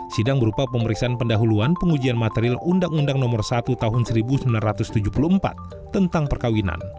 sidang berupa pemeriksaan pendahuluan pengujian material undang undang no satu tahun seribu sembilan ratus tujuh puluh empat tentang perkawinan